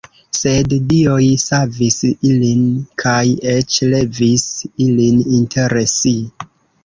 Sed dioj savis ilin kaj eĉ levis ilin inter si.